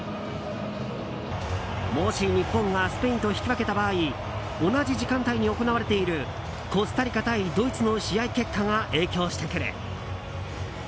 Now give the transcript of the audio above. もし、日本がスペインと引き分けた場合同じ時間帯に行われているコスタリカ対ドイツの試合結果が影響してくる。